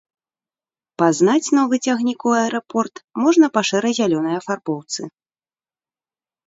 Пазнаць новы цягнік у аэрапорт можна па шэра-зялёнай афарбоўцы.